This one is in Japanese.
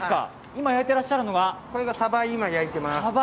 今焼いていらっしゃるのがこれがサバを今焼いています。